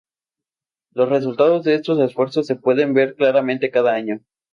Los resultados de estos esfuerzos se puede ver claramente cada año.